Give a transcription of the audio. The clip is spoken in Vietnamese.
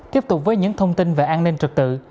tiếp tục với những thông tin về an ninh trật tự